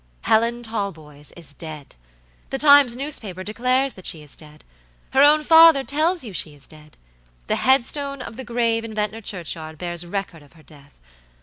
Helen Talboys is dead. The Times newspaper declares she is dead. Her own father tells you that she is dead. The headstone of the grave in Ventnor churchyard bears record of her death.